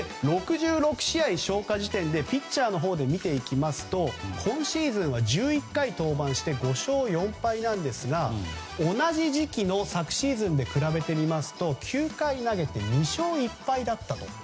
６６試合消化時点でピッチャーのほうで見ていきますと今シーズンは１１回登板して５勝４敗なんですが同じ時期の昨シーズンで比べてみると９回投げて２勝１敗だったと。